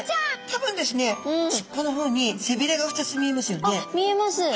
多分ですねしっぽの方にせびれが２つ見えますよね。